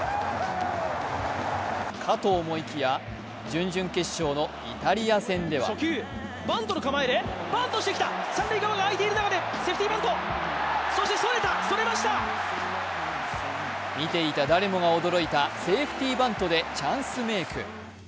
かと思いきや、準々決勝のイタリア戦では見ていた誰もが驚いたセーフティバントでチャンスメイク。